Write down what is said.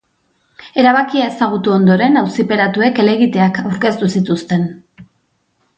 Erabakia ezagutu ondoren, auziperatuek helegiteak aurkeztu zituzten.